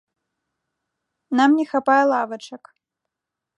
Нам не хапае лавачак!